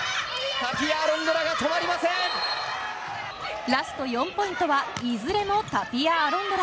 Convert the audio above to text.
タピア・アロンドラがラスト４ポイントはいずれもタピア・アロンドラ。